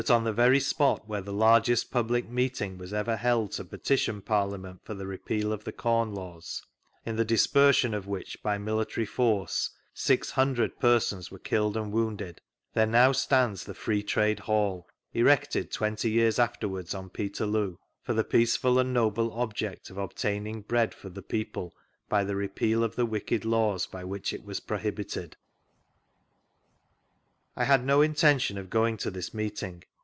SMITHS NARRATIVE 65 OD the very spot where the largest public meeting was ever held to petition Parliament for tUe Repeal of the Corn Laws, in the dispersion of which by military force six hundred persons were killed and wounded there now stands the Free Traded jHaU, erected twenty years aftterwards on PetCrloo, for the peaceful and noble object of obtaining bread for the people by the repeal of the wicked laws by which it was i» ohibited. I had no intention of going to this meeting.